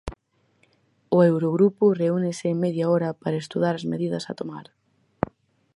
O Eurogrupo reúnese en media hora para estudar as medidas a tomar.